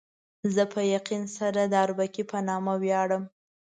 زه په یقین سره د اربکي په نامه ویاړم.